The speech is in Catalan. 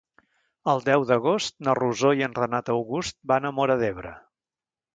El deu d'agost na Rosó i en Renat August van a Móra d'Ebre.